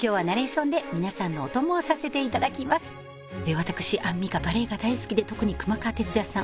私アンミカバレエが大好きで特に熊川哲也さん